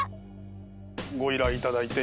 ご依頼いただいて。